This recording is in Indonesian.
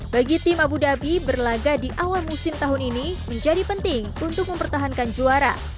bagi tim abu dhabi berlaga di awal musim tahun ini menjadi penting untuk mempertahankan juara